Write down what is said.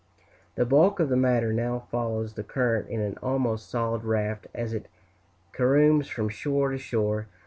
The bulk of the matter now follows the current in an almost solid raft, as it caroms from shore to shore.